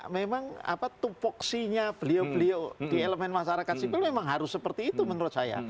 memang tupoksinya beliau beliau di elemen masyarakat sipil memang harus seperti itu menurut saya